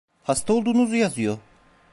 Hasta olduğunuzu yazıyor!